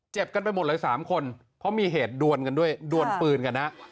กันไปหมดเลย๓คนเพราะมีเหตุดวนกันด้วยดวนปืนกันฮะ